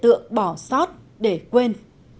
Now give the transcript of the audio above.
tựa bỏ sót để quên